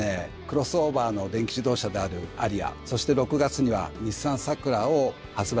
クロスオーバーの電気自動車である「アリア」そして６月には「日産サクラ」を発売しました。